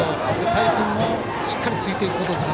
田井君もしっかりついていくこと。